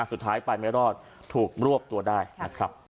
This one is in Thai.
สุดท้ายไปไม่รอดถูกรวบตัวได้นะครับ